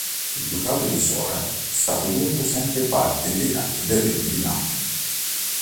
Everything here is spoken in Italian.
Il Ducato di Sora è stato dunque sempre parte integrante del Regno di Napoli.